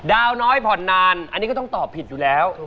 น้อยผ่อนนานอันนี้ก็ต้องตอบผิดอยู่แล้ว